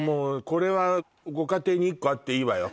これはご家庭に一個あっていいわよ